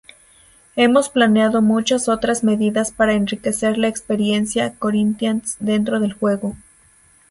Hemos planeado muchas otras medidas para enriquecer la experiencia Corinthians dentro del juego.